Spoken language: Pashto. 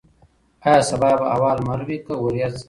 ایا سبا به هوا لمر وي که وریځ؟